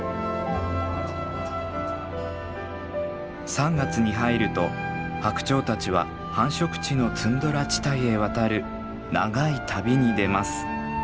３月に入るとハクチョウたちは繁殖地のツンドラ地帯へ渡る長い旅に出ます。